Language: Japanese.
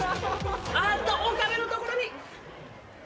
あーっと岡部のところに。